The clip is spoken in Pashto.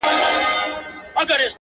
هغه د هر مسجد و څنگ ته ميکدې جوړي کړې؛